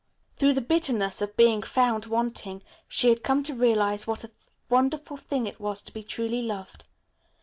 Through the bitterness of being found wanting she had come to realize what a wonderful thing it was to be truly loved.